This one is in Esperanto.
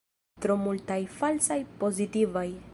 Tro multaj falsaj pozitivaj.